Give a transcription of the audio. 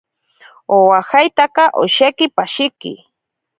Awajeitaka osheki pashiki.